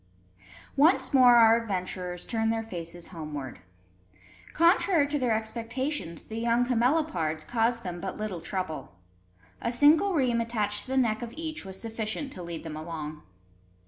Once more our adventurers turned their faces homeward. Contrary to their expectations, the young camelopards caused them but little trouble. A single rheim attached to the neck of each was sufficient to lead them along.